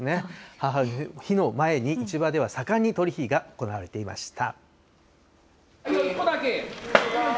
母の日を前に、市場では盛んに取り引きが行われていました。